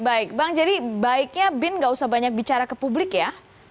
baik bang jadi baiknya bin gak usah banyak bicara ke publik ya